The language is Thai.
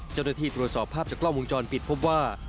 เจ้าหน้าที่ตรวจสอบภาพจากกล้องวงจรปิดพบว่า